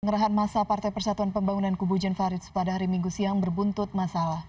ngerahan masa partai persatuan pembangunan kubu jenfarits pada hari minggu siang berbuntut masalah